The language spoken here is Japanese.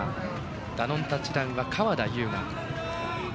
ダノンタッチダウンは川田将雅。